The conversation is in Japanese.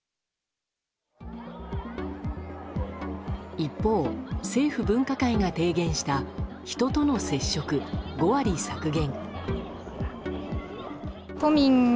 一方、政府分科会が提言した人との接触５割削減。